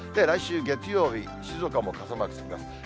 来週月曜日、静岡も傘マークつきます。